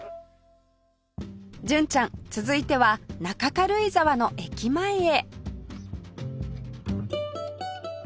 純ちゃん続いては中軽井沢の駅前へ